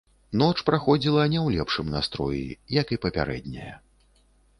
Ноч праходзіла не ў лепшым настроі, як і папярэдняя.